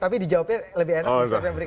jadi jawabannya lebih enak dari yang berikut